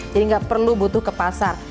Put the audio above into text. jadi gak perlu butuh ke pasar